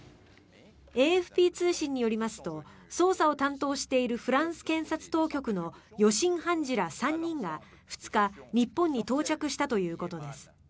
ＡＦＰ通信によりますと捜査を担当しているフランス検察当局の予審判事ら３人が２日、日本に到着したということです。